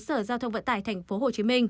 sở giao thông vận tải tp hcm